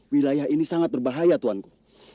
wilayah ini sangat berbahaya tuan ku